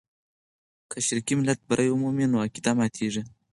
که شرقي ملت بری ومومي، نو عقیده ماتېږي.